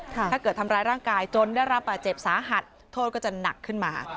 ถ้าเกิดทำร้ายร่างกายจนได้รับบาดเจ็บสาหัสโทษก็จะหนักขึ้นมา